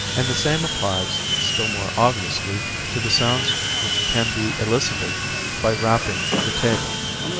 And the same applies still more obviously to the sounds which can be elicited by rapping the table.